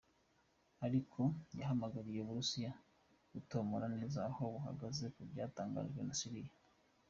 Ariko yahamagariye Uburusiya gutomora neza aho buhagaze ku vyatangajwe na Syria.